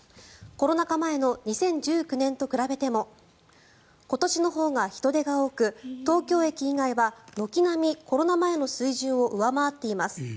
コロナ禍前の２０１９年と比べても今年のほうが人出が多く東京駅以外は軒並みコロナ前の数字を上回っています。